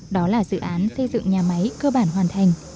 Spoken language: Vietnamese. đó là dự án xây dựng nhà máy cơ bản hoàn thành